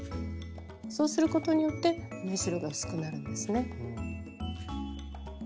そうすることによって縫い代が薄くなるんですね。